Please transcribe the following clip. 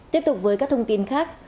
tiếp tục với các thông tin khác